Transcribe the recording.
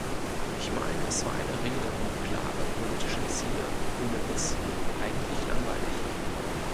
Ich meine, es war eine Rede ohne klare politische Ziele, ohne Biss, eigentlich langweilig.